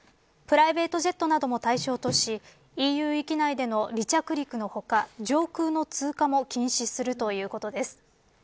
プライベートジェットなども対象としＥＵ域内での離着陸の他上空の通過も禁止するということです。